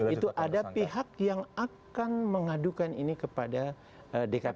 oke jadi ini akan tersangka kira kira ya itu ada pihak yang akan mengadukan ini kepada dkpp